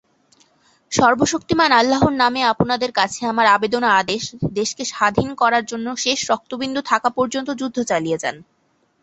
দুই দিক থেকে ব্রিটিশদের অতিরিক্ত সৈনিক এসেছিল।